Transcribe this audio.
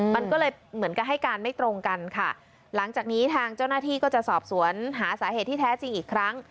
มันก็เลยเหมือนกับให้การไม่ตรงกันค่ะหลังจากนี้ทางเจ้าหน้าที่ก็จะสอบสวนหาสาเหตุที่แท้จริงอีกครั้ง